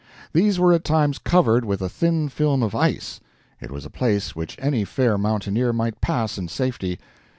These were at times covered with a thin film of ice. It was a place which any fair mountaineer might pass in safety.